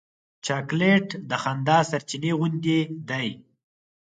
چاکلېټ د خندا د سرچېنې غوندې دی.